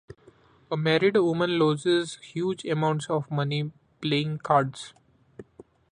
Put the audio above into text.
A married woman loses huge amounts of money playing cards.